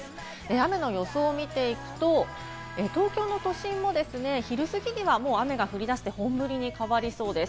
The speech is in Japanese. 雨の予想を見ていくと、東京都心も昼すぎには雨が降り出して本降りに変わりそうです。